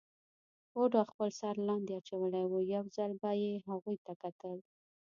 بوډا خپل سر لاندې اچولی وو، یو ځل به یې هغوی ته کتل.